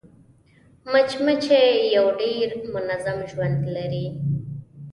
مچمچۍ یو ډېر منظم ژوند لري